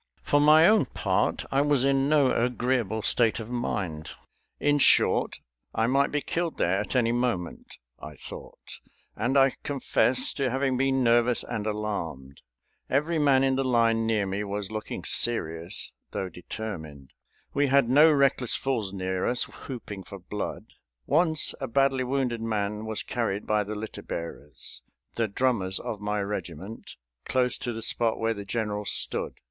For my own part, I was in no agreeable state of mind. In short, I might be killed there at any moment, I thought, and I confess to having been nervous and alarmed. Every man in the line near me was looking serious, though determined. We had no reckless fools near us, whooping for blood. Once a badly wounded man was carried by the litter bearers the drummers of my regiment close to the spot where the General stood.